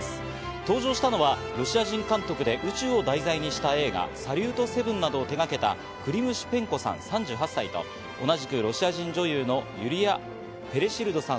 搭乗したのはロシア人監督で宇宙を題材にした映画『サリュート７』などを手がけたクリム・シペンコさん、３８歳と、同じくロシア人女優のユリア・ペレシルドさん